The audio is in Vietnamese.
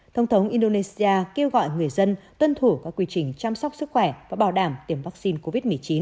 thông thống indonesia kêu gọi người dân tuân thủ các quy trình chăm sóc sức khỏe và bảo đảm tiêm vaccine covid một mươi chín